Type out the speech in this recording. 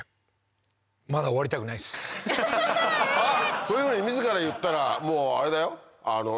そういうふうに自ら言ったらもうあれだよ。